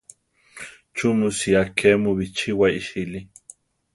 ¿Chú mu sía ké mu bichíwa iʼsíli?